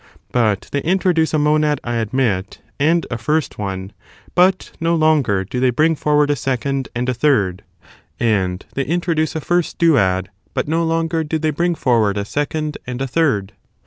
But they introduce a monad, I admit, and a first one, but no longer do they bring forward a second and a third ; and ^they introduce a first duad, but no longer do they bring forward a second and a third.